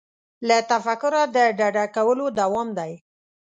له تفکره د ډډه کولو دوام دی.